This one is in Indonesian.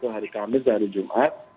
kehari kamis dan hari jumat